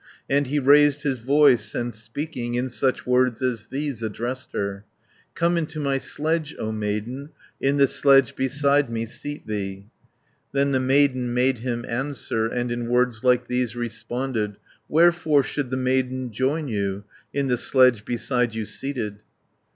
And he raised his voice, and speaking, In such words as these addressed her: "Come into my sledge, O maiden, In the sledge beside me seat thee." Then the maiden made him answer, And in words like these responded: "Wherefore should the maiden join you, In the sledge beside you seated?"